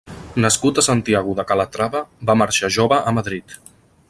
Nascut a Santiago de Calatrava, va marxar jove a Madrid.